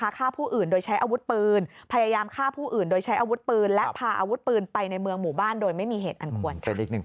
ฆ่าผู้อื่นโดยใช้อาวุธปืนพยายามฆ่าผู้อื่นโดยใช้อาวุธปืนและพาอาวุธปืนไปในเมืองหมู่บ้านโดยไม่มีเหตุอันควร